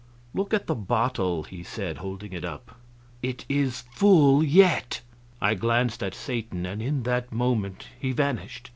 "Look at the bottle," he said, holding it up; "it is full yet!" I glanced at Satan, and in that moment he vanished.